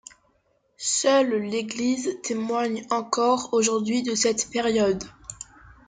Seule l'église témoigne encore aujourd'hui de cette période.